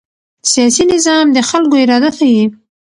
سیاسي نظام د خلکو اراده ښيي